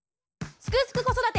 「すくすく子育て」！